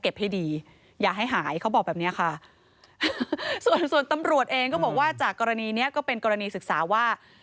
ก็บอกว่าจากกรณีนี้ก็เป็นกรณีศึกษาว่า